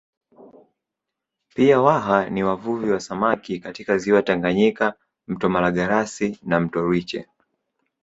Pia Waha ni wavuvi wa samaki katika ziwa Tanganyika mto Malagarasi na Mto Rwiche